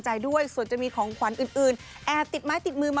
โชว์ไพรส์อันนี้โชว์ไพรส์จริง